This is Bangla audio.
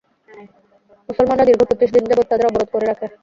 মুসলমানরা দীর্ঘ পঁচিশ দিন যাবৎ তাদের অবরোধ করে রাখে।